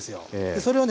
それをね